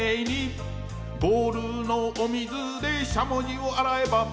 「ボールのお水でしゃもじをあらえば」